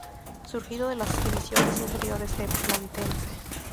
Surgido de las divisiones inferiores de Platense.